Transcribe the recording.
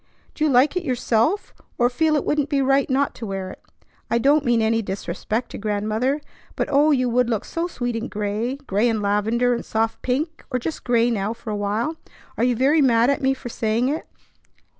Do you like it yourself, or feel it wouldn't be right not to wear it? I don't mean any disrespect to Grandmother; but oh, you would look so sweet in gray, gray and lavender and soft pink, or just gray now for a while. Are you very mad at me for saying it?"